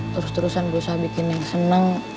terus terusan berusaha bikin neng seneng